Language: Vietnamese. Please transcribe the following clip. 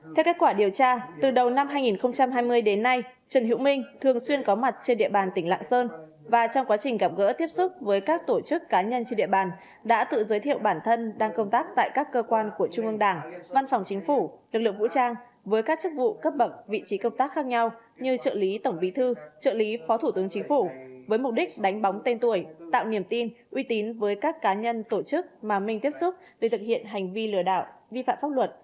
theo kết quả điều tra từ đầu năm hai nghìn hai mươi đến nay trần hữu minh thường xuyên có mặt trên địa bàn tỉnh lạng sơn và trong quá trình gặp gỡ tiếp xúc với các tổ chức cá nhân trên địa bàn đã tự giới thiệu bản thân đang công tác tại các cơ quan của trung ương đảng văn phòng chính phủ lực lượng vũ trang với các chức vụ cấp bậc vị trí công tác khác nhau như trợ lý tổng vĩ thư trợ lý phó thủ tướng chính phủ với mục đích đánh bóng tên tuổi tạo niềm tin uy tín với các cá nhân tổ chức mà minh tiếp xúc để thực hiện hành vi lừa đảo vi phạm pháp luật